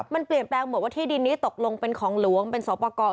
มันเปลี่ยนแปลงหมดว่าที่ดินนี้ตกลงเป็นของหลวงเป็นสอปกร